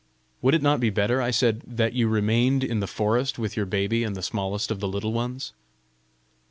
"Would it not be better," I said, "that you remained in the forest with your baby and the smallest of the Little Ones?"